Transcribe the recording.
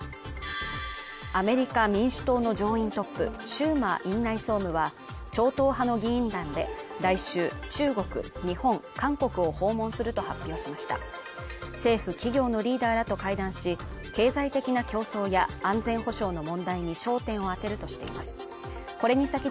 アメリカ民主党の上院トップシューマー院内総務は超党派の議員団で来週中国、日本韓国を訪問すると発表しました政府企業のリーダーらと会談し経済的な競争や彼の名はペイトク